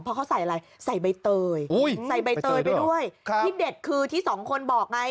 เพราะเขาใส่อะไรใส่ใบเตยใส่ใบเตยไปด้วยครับที่เด็ดคือที่สองคนบอกไง